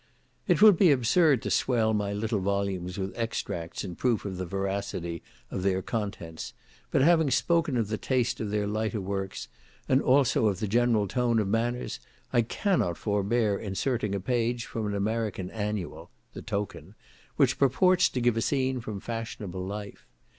It would be absurd to swell my little volumes with extracts in proof of the veracity of their contents, but having spoken of the taste of their lighter works, and also of the general tone of manners, I cannot forbear inserting a page from an American annual (The Token), which purports to give a scene from fashionable life.